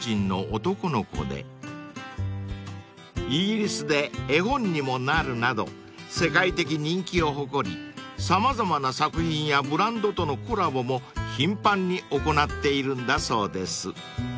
［イギリスで絵本にもなるなど世界的人気を誇り様々な作品やブランドとのコラボも頻繁に行っているんだそうです］